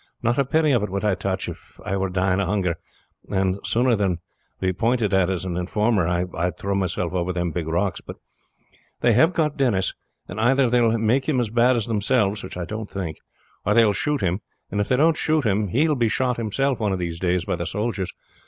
Not a penny of it would I touch if I were dying of hunger, and sooner than be pointed at as an informer I would throw myself over them big rocks. But they have got Denis, and either they will make him as bad as themselves which I don't think or they will shoot him; and if they don't shoot him he will be shot one of these days by the soldiers.